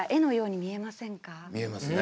見えますね。